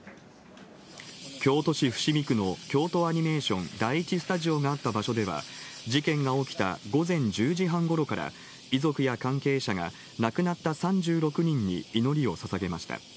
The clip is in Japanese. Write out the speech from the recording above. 京都市伏見区の京都アニメーション第１スタジオがあった場所では、事件が起きた午前１０時半ごろから、遺族や関係者が、亡くなった３６人に祈りを捧げました。